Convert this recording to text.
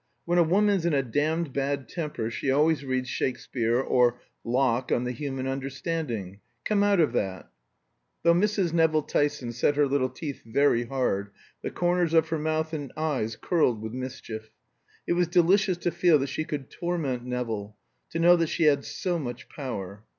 When a woman's in a damned bad temper she always reads Shakespeare, or Locke on the Human Understanding. Come out of that." Though Mrs. Nevill Tyson set her little teeth very hard, the corners of her mouth and eyes curled with mischief. It was delicious to feel that she could torment Nevill, to know that she had so much power.